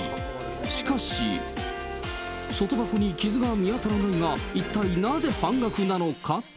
しかし、外箱に傷が見当たらないが、一体なぜ半額なのか。